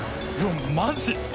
マジ！？